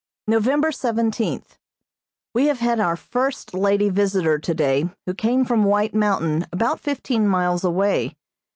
November seventeenth: We have had our first lady visitor today who came from White Mountain about fifteen miles away.